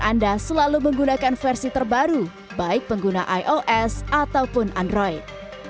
anda selalu menggunakan versi terbaru baik pengguna ios ataupun android